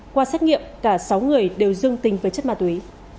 qua xét nghiệm cả sáu người đều dương tính với chất ma túy